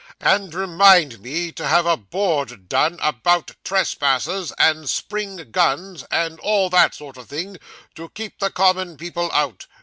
'And remind me to have a board done about trespassers, and spring guns, and all that sort of thing, to keep the common people out.